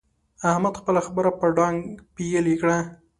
احمد خپله خبره په ډانګ پېيلې کړه.